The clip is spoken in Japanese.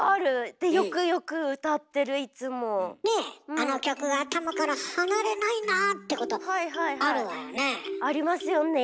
あの曲が頭から離れないなってことあるわよね？ありますよね。